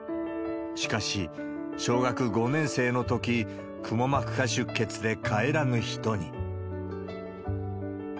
しかし、小学５年生のとき、くも膜下出血で帰らぬ人に。